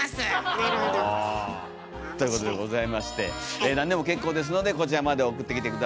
なるほど。ということでございまして何でも結構ですのでこちらまで送ってきて下さい。